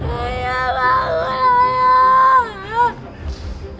ayah bangun ayah